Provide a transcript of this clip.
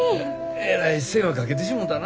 えらい世話かけてしもたな。